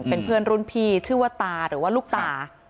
เป็นเพื่อนรุ่นพี่ชื่อว่าตาหรือว่าลูกตา